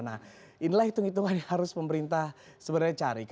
nah inilah hitung hitungan yang harus pemerintah sebenarnya cari